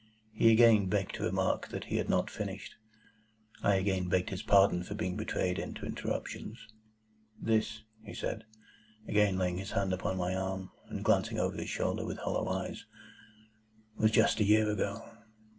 He again begged to remark that he had not finished. I again begged his pardon for being betrayed into interruptions. "This," he said, again laying his hand upon my arm, and glancing over his shoulder with hollow eyes, "was just a year ago.